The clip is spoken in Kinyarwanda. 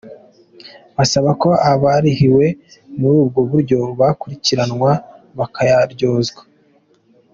Basaba ko abarihiwe muri ubwo buryo bakurikiranwa bakayaryozwa.